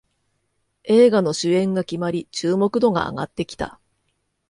映画の主演が決まり注目度が上がってきた